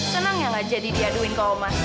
senang yang gak jadi diaduin ke umar